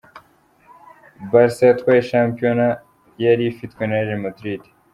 Barca yatwaye shampiyona yari ifitwe na Real Madrid .